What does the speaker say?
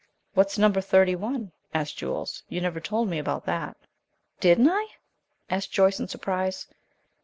"What's Number Thirty one?" asked Jules. "You never told me about that." "Didn't I?" asked Joyce, in surprise.